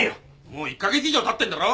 もう１カ月以上たってんだろ。